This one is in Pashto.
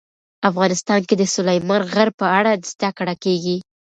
افغانستان کې د سلیمان غر په اړه زده کړه کېږي.